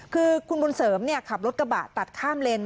คือคุณบุญเสริมขับรถกระบะตัดข้ามเลน